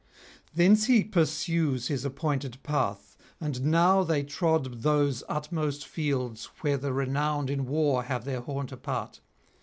Thence he pursues his appointed path. And now they trod those utmost fields where the renowned in war have their haunt apart.